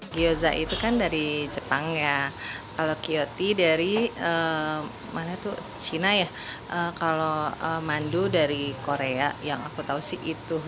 gyoza itu kan dari jepang ya kalau kuotie dari china ya kalau mandu dari korea yang aku tau sih itu